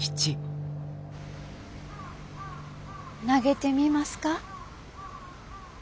投げてみますか？